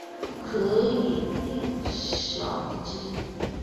可以意晓之。